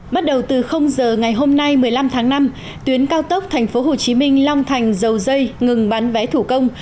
bắt đầu từ giờ ngày hôm nay một mươi năm tháng năm tuyến cao tốc tp hcm long thành dầu dây ngừng bán vé thủ công